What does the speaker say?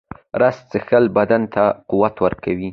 رس څښل بدن ته قوت ورکوي